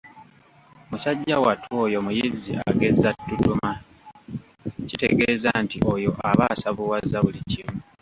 Musajja wattu oyo muyizzi agezza ttutuma kitegeeza nti oyo aba asavuwaza buli kimu